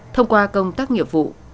thông qua công tác nghiệp vụ